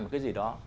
một cái gì đó